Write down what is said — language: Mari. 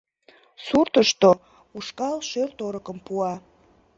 Суртышто ушкал шӧр-торыкым пуа.